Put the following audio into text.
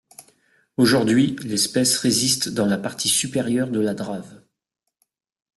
Aujourd’hui, l’espèce résiste dans la partie supérieure de la Drave.